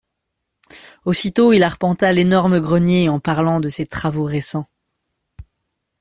Aussitôt il arpenta l'énorme grenier en parlant de ses travaux récents.